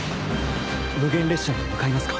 無限列車に向かいますか？